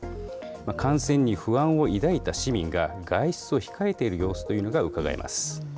感染に不安を抱いた市民が、外出を控えている様子というのがうかがえます。